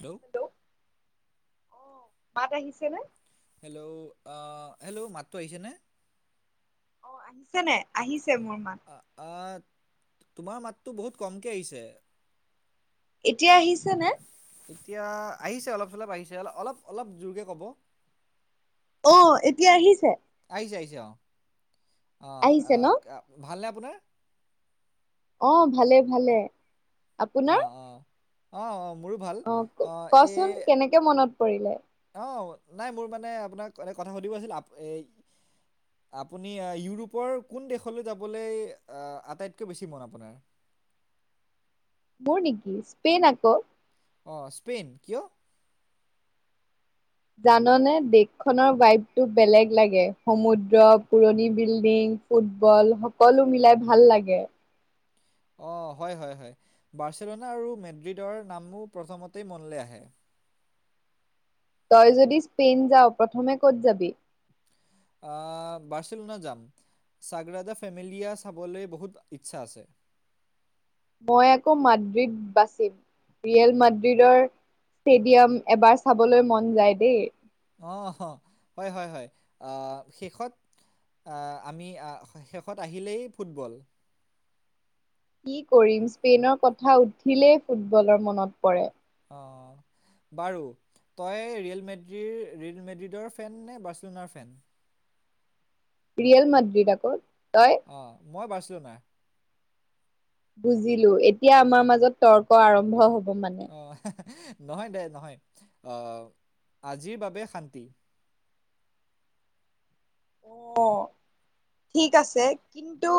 Hello? Hello অহ মাত আহিছেনে? হেল্ল' আহ হেল্ল' মাতটো আহিছেনে? অ আহিছেনে আহিছে মোৰ মাত। অ অ তোমাৰ মাতটো বহুত কমকে আহিছে। এতিয়া আহিছে নে? এতিয়া আহিছে অলপ - চলপ আহিছে অল অলপ অলপ জোৰকেই ক'ব। অ এতিয়া আহিছে। আহিছে আহিছে অ, অ অ আহিছে ন কা ভালনে আপুনাৰ? অ ভালে ভালে। আপোনাৰ অঁ অঁ, অঁ অঁ মোৰো ভাল অঁ এ এতিয়া মনত পৰিলে? অ', নাই মোৰ মানে আপোনাক এনে কথা সুধিব আছিল আপ এই আপুনি ইউৰোপৰ কোন দেশলৈ যাবলৈ আ আটাইতকৈ বেছি মন আপোনাৰ? মোৰ নেকি স্পেইন আকৌ। অ', স্পেইন, কিয়? জাননে দেশখনৰ ভাইপটো বেলেগ লাগে সমুদ্ৰ পুৰণি বিল্ডিং। ফুটবল সকলো মিলাই ভাল লাগে। অ', হয় হয় হয় বাৰ্চেলনা আৰু মেড্ৰিডৰ নাম মোৰ প্ৰথমতেই মনলৈ আহে। তই যদি স্পেইন যাৱ প্ৰথমে ক'ত যাবি? আহ বাৰ্চেলনা যাম। চাগ্ৰাদা ফেমিলীয়া চাবলৈ বহুত ইচ্ছা আছে। মই আকৌ মাদ্ৰিদ বাচিম ৰিয়েল মাদ্ৰিদৰ ষ্টেডিয়াম এবাৰ চাবলৈ মন যায় দেই। অ', হয় হয় হয় আ শেষত আ আমি আ শেষত আহিলেই ফুটবল। কি কৰিম স্পেইনৰ কথা উঠিলেই ফুটবলৰ মনত পৰে। অ'। বাৰু তই ৰিয়েল মেড্ৰি ৰিয়েল মেড্ৰিডৰ ফেন নে বাৰ্চলিনৰ ফেন? ৰিয়েল মাদ্ৰিক আকৌ তই? অ', মই বাৰ্চলিনৰ। বুজিলো এতিয়া আমাৰ মাজত তৰ্ক আৰম্ভ হ'ব মানে। নহয় দে নহয় অ' আজিৰ বাবে শান্তি। অ', ঠিক আছে। কিন্তু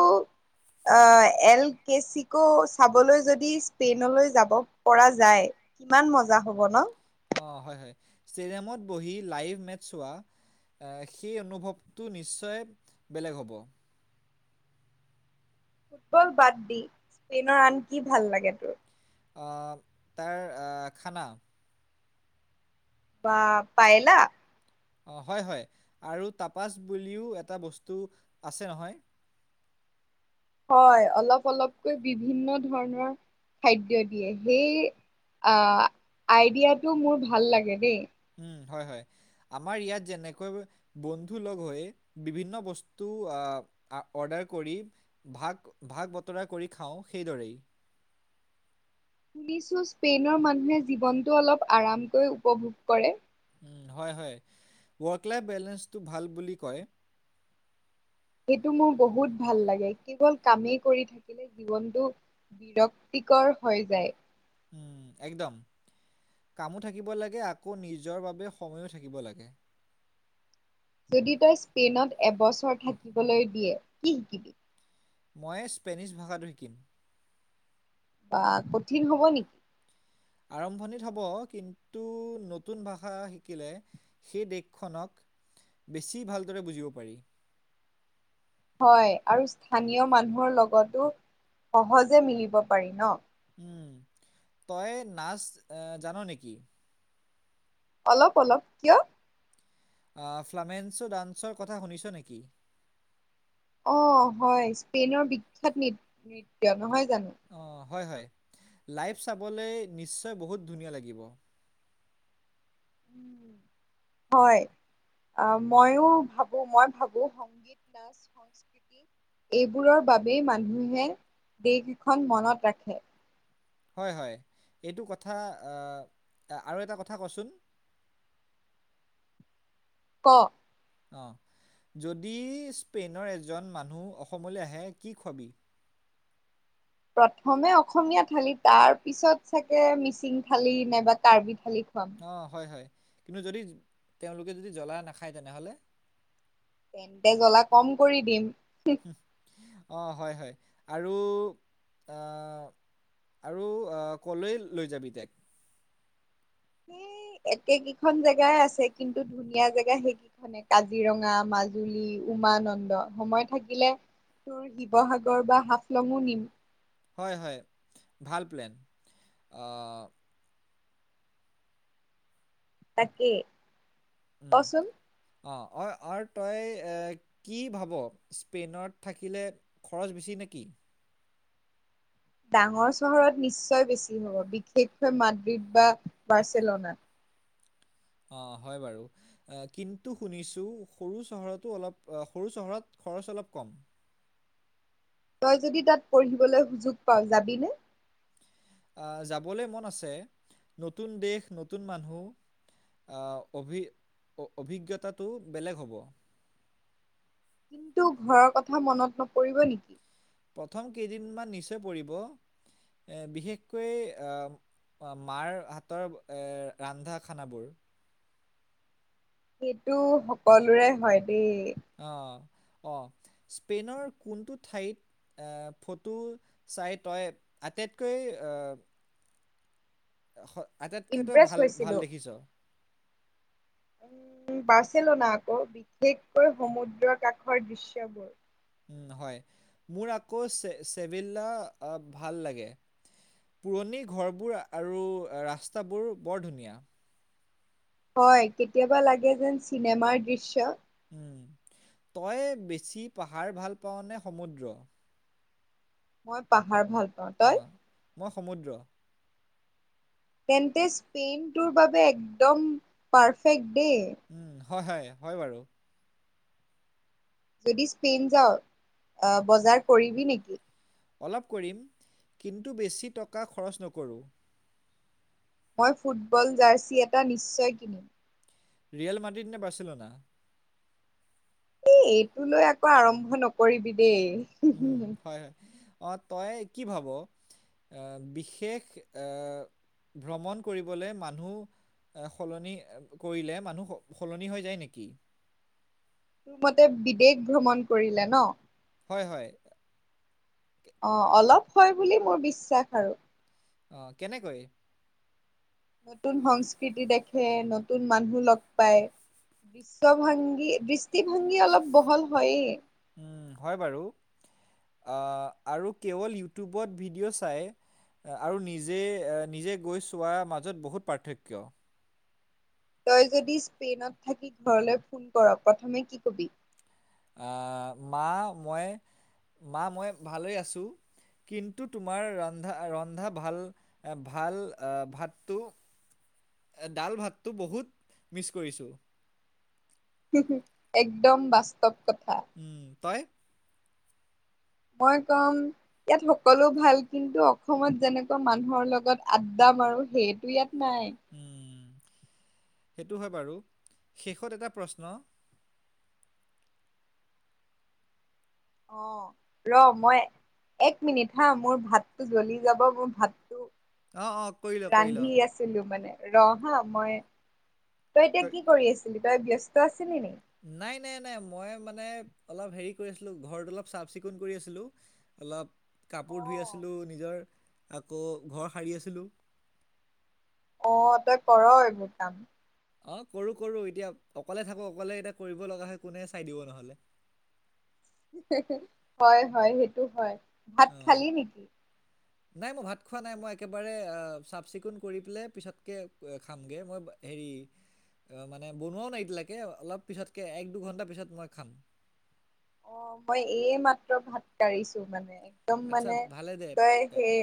আহ এল কেচিকো চাবলৈ যদি স্পেইনলৈ যাব পৰা যায়। কিমান মজা হ'ব ন? অ', হয় হয় ষ্টেডিয়ামত বহি লাইভ মেটছ চোৱা আ সেই অনুভৱটো নিশ্চয় বেলেগ হ'ব। ফুটবল বাদ দি স্পেইনৰ আন কি ভাল লাগে তোৰ? আ তাৰ আ খানা। বা পাইলা? অ', হয় হয় আৰু টাপাচ বুলিও এটা বস্তু আছে নহয়। হয়, অলপ অলপকৈ বিভিন্ন ধৰণৰ খাদ্য দিয়ে। সেই আ আইডিয়াটো মোৰ ভাল লাগে দেই। উম, হয় হয় আমাৰ ইয়াত যেনেকৈ বন্ধু লগ হৈ বিভিন্ন বস্তু আ অৰ্ডাৰ কৰি ভাগ ভাগ বতৰা কৰি খাওঁ সেইদৰেই। শুনিছো স্পেইনৰ মানুহে জীৱনটো অলপ আৰামকৈ উপভোগ কৰে। হয়, হয়, ৱৰ্ক লাইফ বেলেঞ্চটো ভাল বুলি কয়। সেইটো মোৰ বহুত ভাল লাগে কেৱল কামেই কৰি থাকিলে জীৱনটো বিৰক্তিকৰ হৈ যায়। উম, একদম কামো থাকিব লাগে আকৌ নিজৰ বাবে সময়ো থাকিব লাগে। যদি তই স্পেইনত এবছৰ থাকিবলৈ দিয়ে কি শিকিবি? মই স্পেনিছ ভাষাটো শিকিম। বা কঠিন হ'ব নেকি? আৰম্ভণিত হ'ব কিন্তু নতুন ভাষা শিকিলে সেই দেশখনক বেছি ভালদৰে বুজিব পাৰি। হয় আৰু স্থানীয় মানুহৰ লগতো সহজে মিলিব পাৰি ন। উম। তই নাচ জান নেকি? অলপ অলপ কিয়? ফ্লামেন্সো ডান্সৰ কথা শুনিছ নেকি? অ' হয় স্পেইনৰ বিখ্যাত নৃত্য নহয় জানো? অ' হয়, হয় লাইভ চাবলৈ নিশ্চয় বহুত ধুনীয়া লাগিব। [inaudible] হয় অ' ময়ো ভাবো, মই ভাবো সংগীত নাচ সংস্কৃতি এইবোৰৰ বাবেই মানুহে দেশ এখন মনত ৰাখে। হয়, হয়। এইটো কথা আৰু এটা কথা কচোন। ক অ' যদি স্পেইনৰ এজন মানুহ অসমলৈ আহে কি খোৱাবি? প্ৰথমে অসমীয়া থালি তাৰ পিছত চাগে মিচিং থালি নাইবা কাৰ্বি থালি খুৱাম। অ' হয়, হয়। কিন্তু যদি তেওঁলোকে যদি জলা নাখায় তেনেহ'লে? তেন্তে জলা কম কৰি দিম। অ' হয়, হয় আৰু আৰু ক'লৈ লৈ যাবি তাইক? সেই একে কেইখন জেগাই আছে কিন্তু ধুনীয়া [unintelligible] মানে কাজিৰঙা, মাজুলী, উমানন্দ সময় থাকিলে তোৰ শিৱসাগৰ বা হাফলঙো নিম। হয়, হয় ভাল প্লেন। আ তাকে উম ক'চোন। অ', অ' আৰু তই কি ভাব স্পেইনত থাকিলে খৰচ বেছি নে কি? ডাঙৰ চহৰত নিশ্চয় বেছি হ'ব বিশেষকৈ মাদ্ৰিদ বা বাৰ্চেলনাত। অ' হয় বাৰু। আহ, কিন্তু শুনিছো সৰু চহৰতো, অলপ সৰু চহৰত খৰচ অলপ কম। তই যদি তাত পঢ়িবলৈ সুযোগ পাঁও যাবিনে? আহ, যাবলৈ মন আছে, নতুন দেশ নতুন মানুহ। অভি, অভি- অভিজ্ঞতাটো বেলেগ হ'ব। কিন্তু ঘৰৰ কথা মনত নপৰিব নেকি? প্ৰথম কেইদিনমান নিশ্চয় পৰিব। বিশেষকৈ আ মাৰ হাতৰ ৰান্ধা খানাবোৰ। সেইটো সকলোৰে হয় দেই। অ', অ' স্পেইনৰ কোনটো ঠাইত? ফটো চাই তই আটাইতকৈ আটাইতকৈ তই ইমপ্ৰেছ ভাল ভাল হৈছিলো। দেখিছ। উম বাৰ্চেলনা আকৌ, বিশেষকৈ সমুদ্ৰ কাষৰ দৃশ্যবোৰ। হয় মোৰ আকৌ চে চেভিল্লা ভাল লাগে। পুৰণি ঘৰবোৰ আৰু ৰাস্তাবোৰ বৰ ধুনীয়া। হয় কেতিয়াবা লাগে যেন চিনেমাৰ দৃশ্য। উম। তই বেছি পাহাৰ ভাল পাওঁনে সমুদ্ৰ? মই পাহাৰ ভাল পাওঁ। তই অ' মই সমুদ্ৰ। তেন্তে স্পেইনটোৰ বাবে একদম পাৰফেক্ট দেই। উম হয় হয় হয় বাৰু। যদি স্পেইন যাওঁ অ বজাৰ কৰিবি নেকি? অলপ কৰিম কিন্তু বেছি টকা খৰচ নকৰোঁ। মই ফুটবল জাৰৰ্চি এটা নিশ্চয় কিনিম। ৰিয়েল মাৰ্টিন নে বাচিলনা। এ এইটো লৈ আকৌ আৰম্ভ নকৰিবি দেই। উম হয় হয়, অ তই কি ভাব? আহ বিশেষ আহ ভ্ৰমণ কৰিবলৈ মানুহ এ সলনি কৰিলে মানুহ সলনি হৈ যায় নেকি। তোৰ মতে বিদেশ ভ্ৰমণ কৰিলে ন? হয় হয়। অঁ অলপ হয় বুলি মোৰ বিশ্বাস আৰু। অ কেনেকৈ? নতুন সংস্কৃতি দেখে, নতুন মানুহ লগ পায়। বিশ্ব ভংগী দৃষ্টিভংগী অলপ বহল হয়য়েই। উম হয় বাৰু। আ আৰু কেৱল ইউটিউবত ভিডিঅ চাই আৰু নিজে নিজে গৈ চোৱাৰ মাজত বহুত পাৰ্থক্য। তই যদি স্পেইনত থাকি ঘৰলৈ ফোন কৰ প্ৰথমে কি কবি? মা মই মা মই ভালেই আছোঁ। কিন্তু তোমাৰ ৰন্ধা ৰন্ধা ভাল এ ভাল আহ ভাতটো ডাল ভাতটো বহুত মিছ কৰিছোঁ। [inaudible] একদম বাস্তৱ কথা। উম, তই? মই কম ইয়াত সকলো ভাল কিন্তু অসমত যেনেকুৱা মানুহৰ লগত আড্ডা মাৰো সেইটো ইয়াত নাই। সেইটো হয় বাৰু, শেষত এটা প্ৰশ্ন। অ ৰ মই এক মিনিট হা মোৰ ভাতটো জ্বলি যাব মোৰ ভাতটো অ', অ', কৰি ল কৰি ল। ৰান্ধি আছিলো মানে, ৰ হা মই তই এতিয়া কৈ- কি কৰি আছিলি, তই ব্যস্ত আছিলে নি? নাই নাই নাই মই মানে অলপ হেৰি কৰি আছিলোঁ ঘৰটো অলপ চাফ চিকুণ কৰি আছিলোঁ। অলপ কাপোৰ ধুই অ' আছিলোঁ নিজৰ, আকৌ ঘৰ সাৰি আছিলোঁ। অ তই কৰ এইবোৰ কাম? অ কৰো কৰো এতিয়া অকলে থাকো অকলে এতিয়া কৰিব লগা হয় কোনে চাই দিব নহ'লে। [inaudible] হয় হয় সেইটো হয়। ভাত অ। খালি নেকি? নাই মই ভাত খোৱা নাই মই একেবাৰে চাফ চিকুণ কৰি পেলাই পিছতকৈ খামগে, মই হেৰি মানে বনোৱাও নাই এতিয়ালৈকে অলপ পিছতকে এক দুঘণ্টা পিছত মই খাম। অ মই এই মাত্ৰ ভাত কাঢ়িছো মানে। একদম আচ্ছা মানে ভালে দে তই এ, হেই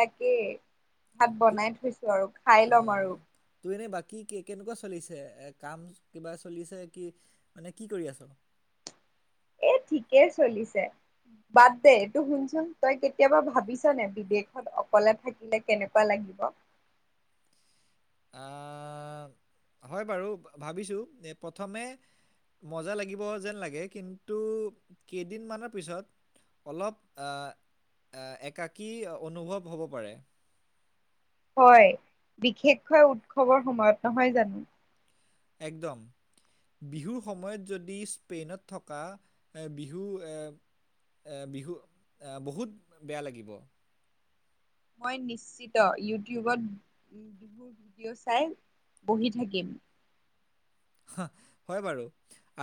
তাকে ভাত তো বনাই থৈছো আৰু খাই লম আহ, আৰু। তোৰ এনেই বাকী কেনেকুৱা চলিছে কাম কিবা চলিছে কি মানে কি কৰি আছ? এ ঠিকেই চলিছে। বাদ দে তই শুনচোন তই কেতিয়াবা ভাবিছনে বিদেশত অকলে থাকিলে কেনেকুৱা লাগিব অ‌ হয় বাৰু ভাবিছোঁ প্ৰথমে মজা লাগিব যেন লাগে কিন্তু কেইদিনমানৰ পিছত অলপ এ একাকী অনুভৱ হ'ব পাৰে হয় বিশেষকৈ উৎসৱৰ সময়ত নহয় জানো একদম বিহুৰ সময়ত যদি স্পেইনত থকা বিহু এ এ বিহু বহুত বেয়া লাগিব মই নিশ্চিত ইউটিউবত বিহু ভিডিঅ' চাই বহি থাকিম হ হয় বাৰু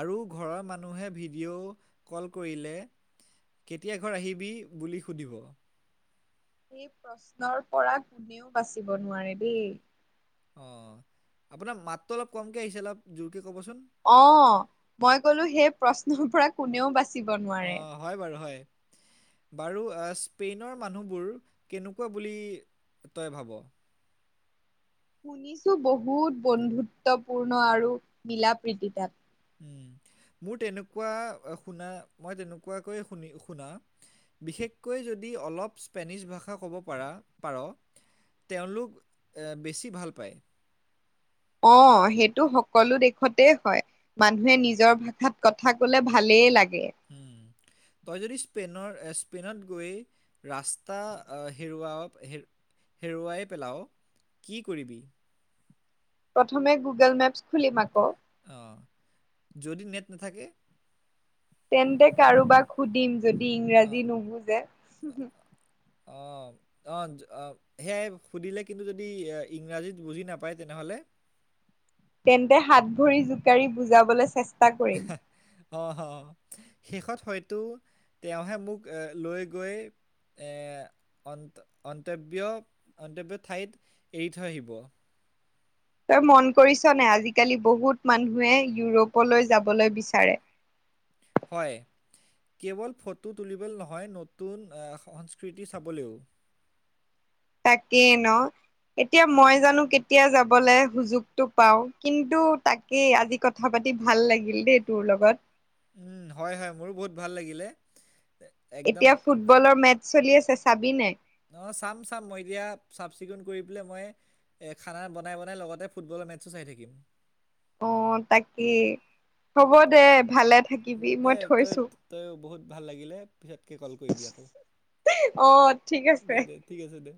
আৰু ঘৰৰ মানুহে ভিডিঅ' কল কৰিলে কেতিয়া ঘৰ আহিবি বুলি সুধিব সেই প্ৰশ্নৰ পৰা কোনেও বাচিব নোৱাৰে দেই অঁ আপোনাৰ মাতটো অলপ কমকৈ আহিছে অলপ জোৰকৈ ক'বচোন অ মই কলো সেই প্ৰশ্নৰ পৰা কোনেও বাচিব নোৱাৰে অঁ হয় বাৰু হয় বাৰু স্পেইনৰ মানুহবোৰ কেনেকুৱা বুলি তই ভাব শুনিছো বহুত বন্ধুত্বপূৰ্ণ আৰু মিলা প্ৰীতি তাত ও মোৰ তেনেকুৱা শুনা মই তেনেকুৱাকৈ শুনি শুনা বিশেষকৈ যদি অলপ স্পেনিছ ভাষা ক'ব পাৰা পাৰ তেওঁলোক বেছি ভাল পায় অ সেইটো সকলো দেশতে হয় মানুহে নিজৰ ভাষাত কথা কলে ভালেই লাগে উম তই যদি স্পেনৰ স্পেইনত গৈ ৰাস্তা হেৰুৱাব হ হেৰুৱাই পেলাও কি কৰিবি প্ৰথমে গুগল মেপছ খুলিম আকৌ অঁ যদি নেট নাথাকে তেন্তে কাৰোবাক সুধিম যদি অঁ ইংৰাজী নুবুজে অ অঁ অ সেয়াই সুধিলে কিন্তু যদি ইংৰাজীত বুজি নাপায় তেনেহ'লে তেন্তে হাত ভৰি জোকাৰি বুজাবলে চেষ্টা কৰিম অ অ শেষত হয়তো তেওঁহে মোক এ লৈ গৈ এ অন অন্তব্য অন্তব্য ঠাইত এৰি থৈ আহিব তই মন কৰিছ নে আজিকালি বহুত মানুহে ইউৰোপলৈ যাবলৈ বিচাৰে হয় কেৱল ফটো তুলিবলৈ নহয় নতুন সংস্কৃতি চাবলৈও তাকে ন এতিয়া মই জানো কেতিয়া যাবলৈ সুযোগতটো পাওঁ কিন্তু এ আজি কথা পাতি ভাল লাগিল দেই তোৰ লগত উম হয় হয় মোৰো বহুত ভাল লাগিলে এ, একদম এতিয়া ফুটবলৰ মেট চলি আছে চাবি নে অ চাম চাম মই এতিয়া চাফ চিকুণ কৰি পেলাই মই এই খানা বনাই বনাই লগতে ফুটবলৰ মেটচো চাই থাকিম অ তাকেই হ'ব দে ভালে থাকিবি দে মই তই থৈছো তই বহুত ভাল লাগিলে পিছতকে ক'ল কৰিবি আকৌ। অ' ঠিক আছে দে, দে ঠিক আছে দে।